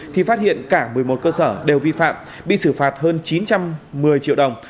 thì phát hiện cả một mươi một cơ sở đều vi phạm bị xử phạt hơn chín trăm một mươi triệu đồng